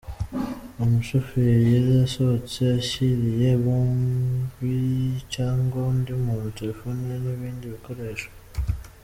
Umushoferi yari asohotse ashyiriye Bobi cyangwa undi muntu telefoni n’ibindi bikoresho.”